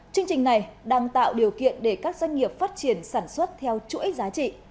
chương trình này đang tạo điều kiện để các doanh nghiệp phát triển sản xuất theo chuỗi giá trị